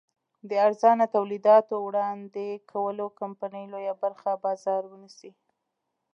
د ارزانه تولیداتو وړاندې کولو کمپنۍ لویه برخه بازار ونیسي.